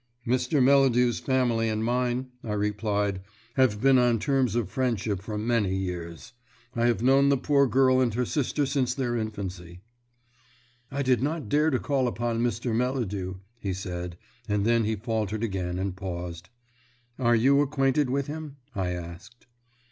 "Mr. Melladew's family and mine," I replied, "have been on terms of friendship for many years. I have known the poor girl and her sister since their infancy." "I did not dare to call upon Mr. Melladew," he said, and then he faltered again and paused. "Are you acquainted with him?" I asked.